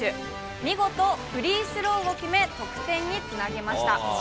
見事、フリースローを決め、得点につなげました。